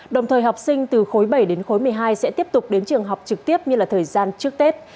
đồng thời học sinh từ khối bảy đến khối một mươi hai sẽ tiếp tục đến trường học trực tiếp như thời gian trước tết